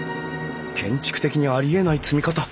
建築的にありえない積み方。